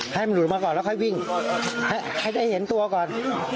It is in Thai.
ให้มันหลุดมาก่อนแล้วค่อยวิ่งให้ได้เห็นตัวก่อน